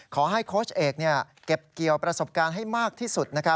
โค้ชเอกเก็บเกี่ยวประสบการณ์ให้มากที่สุด